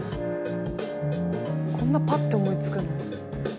こんなパッて思い付くの？